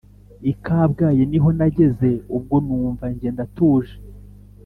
i kabgayi niho nageze ubwo numva njye ndatuje